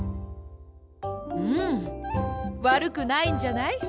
うんわるくないんじゃない。